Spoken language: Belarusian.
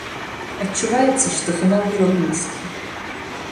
Адчуваецца, што фінал ужо блізкі.